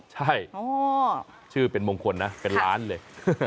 ใช่ชื่อเป็นมงคลนะเป็นล้านเลย